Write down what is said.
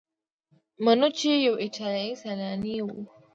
منوچي یو ایټالیایی سیلانی و.